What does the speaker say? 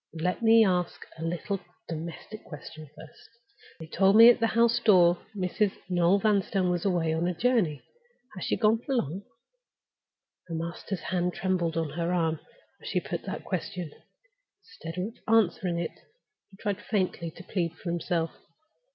Let me ask a little domestic question first. They told me at the house door Mrs. Noel Vanstone was gone away on a journey. Has she gone for long?" Her master's hand trembled on her arm as she put that question. Instead of answering it, he tried faintly to plead for himself.